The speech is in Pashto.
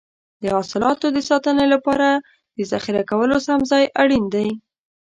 د حاصلاتو د ساتنې لپاره د ذخیره کولو سم ځای اړین دی.